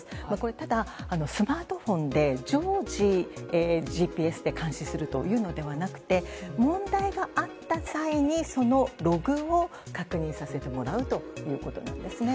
ただ、スマートフォンで常時、ＧＰＳで監視するというのではなくて問題があった際にそのログを確認させてもらうということなんですね。